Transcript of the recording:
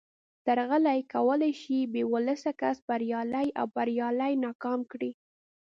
درغلي کولای شي بې ولسه کس بریالی او بریالی ناکام کړي